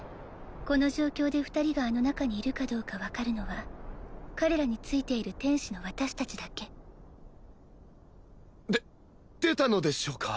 この状況で２人があの中にいるかどうか分かるのは彼らについている天使の私達だけで出たのでしょうか？